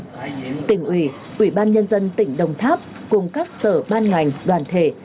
trong đơn vị đồng chí hồ tấn dương tỉnh ủy ủy ban nhân dân tỉnh đồng tháp cùng các sở ban ngành đoàn thể